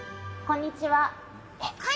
こんにちは！